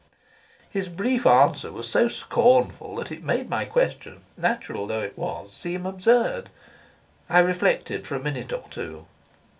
His brief answer was so scornful that it made my question, natural though it was, seem absurd. I reflected for a minute or two.